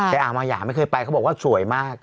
แต่อ่างมายาไม่เคยไปเขาบอกว่าสวยมาก